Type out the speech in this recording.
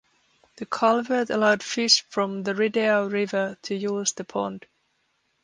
The culvert allowed fish from the Rideau River to use the pond.